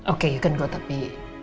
oke you can go tapi